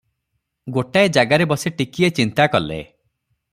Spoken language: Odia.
ଗୋଟାଏ ଜାଗାରେ ବସି ଟିକିଏ ଚିନ୍ତା କଲେ।